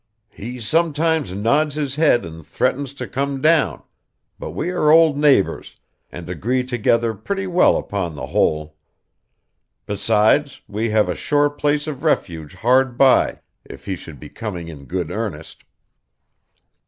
'He sometimes nods his head and threatens to come down; but we are old neighbors, and agree together pretty well upon the whole. Besides we have a sure place of refuge hard by if he should be coming in good earnest.